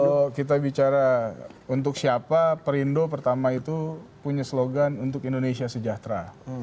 kalau kita bicara untuk siapa perindo pertama itu punya slogan untuk indonesia sejahtera